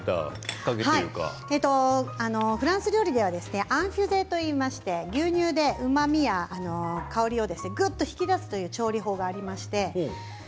フランス料理ではアンフュゼといいまして牛乳でうまみや甘みを引き出すというものがあります。